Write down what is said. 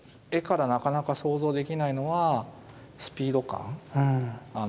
絵からなかなか想像できないのはスピード感。